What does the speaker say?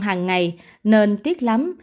hằng ngày nên tiếc lắm